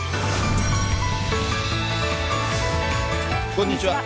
こんにちは。